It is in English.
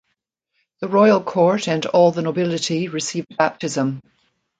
The royal court and all the nobility received baptism.